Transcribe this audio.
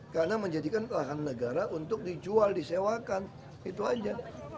karena menjadikan lahan negara untuk dijual disewakan itu aja